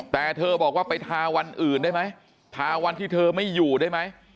แต่เธอบอกว่าไปทาวันอื่นได้ไหมทาวันที่เธอไม่อยู่ได้ไหม